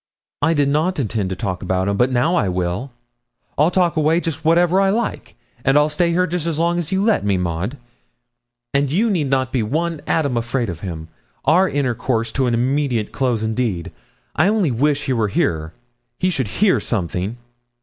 'I did not intend to talk about him, but now I will. I'll talk away just whatever I like; and I'll stay here just as long as you let me, Maud, and you need not be one atom afraid of him. Our intercourse to an "immediate close," indeed! I only wish he were here. He should hear something!'